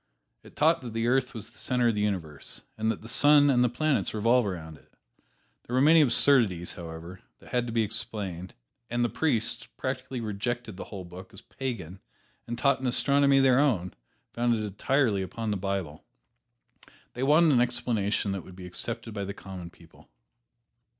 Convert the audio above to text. It taught that the earth was the center of the universe, and that the sun and the planets revolve around it. There were many absurdities, however, that had to be explained, and the priests practically rejected the whole book as "pagan" and taught an astronomy of their own, founded entirely upon the Bible. They wanted an explanation that would be accepted by the common people.